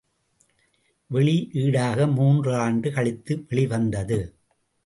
வெளியீடாக மூன்று ஆண்டு கழித்து வெளிவந்தது.